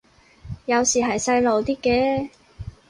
有時係細路啲嘅